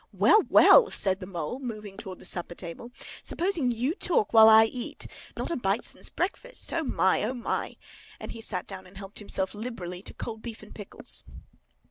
"Well, well," said the Mole, moving towards the supper table; "supposing you talk while I eat. Not a bite since breakfast! O my! O my!" And he sat down and helped himself liberally to cold beef and pickles.